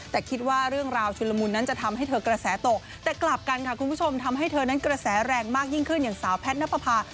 แต่คิดว่าเรื่องราวชุนละมุนนั้นจะทำให้เธอกระแสตกแต่กลับกันค่ะคุณผู้ชมทำให้เธอนั้นกระแสแรงมากยิ่งขึ้นอย่างสาวแพทย์นับประพา